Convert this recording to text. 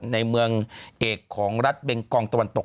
ในเมืองเอกของรัฐเบงกองตะวันตก